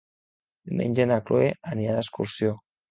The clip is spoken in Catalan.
Diumenge na Cloè anirà d'excursió.